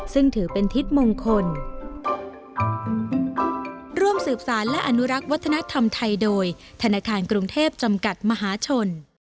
ซึ่งถือเป็นทิศมงคล